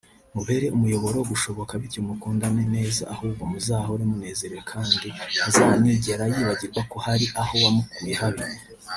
mubere umuyoboro wo gushoboka bityo mukundane neza ahubwo muzahore munezerewe kandi ntazanigera yibagirwa ko hari aho wamukuye habi